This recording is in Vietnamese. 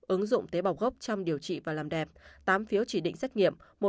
ứng dụng tế bào gốc trong điều trị và làm đẹp tám phiếu chỉ định xét nghiệm